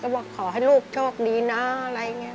ที่บอกขอให้ลูกโชคดีนะอะไรเนี่ยเนาะ